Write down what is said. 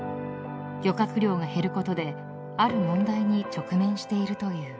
［漁獲量が減ることである問題に直面しているという］